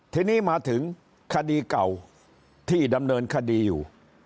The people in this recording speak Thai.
ทีนี้มาถึงคดีเก่าที่ดำเนินคดีอยู่